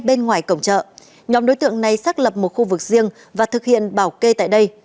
bên ngoài cổng chợ nhóm đối tượng này xác lập một khu vực riêng và thực hiện bảo kê tại đây